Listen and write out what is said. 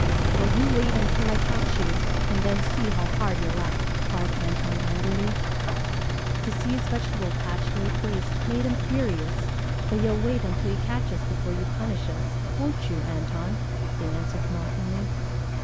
"Well, you wait until I catch you and then see how hard you'll laugh," called Antone angrily. To see his vegetable patch laid waste made him furious. "But you'll wait until you catch us before you punish us, won't you, Antone?" they answered mockingly.